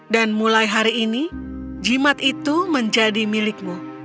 dan mulai hari ini jimat itu menjadi milikmu